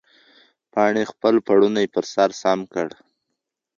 پاڼې خپل پړونی پر سر سم کړ.